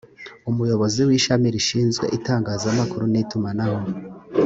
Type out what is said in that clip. umuyobozi wishami rishinzwe itangazamakuru n itumanaho